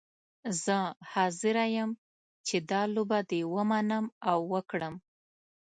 زه حاضره یم چې دا لوبه دې ومنم او وکړم.